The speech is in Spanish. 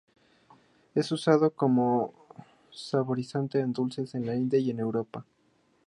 Es usado como saborizante de dulces en la India y en Europa.